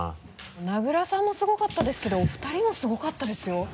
名倉さんもすごかったですけどお二人もすごかったですよ。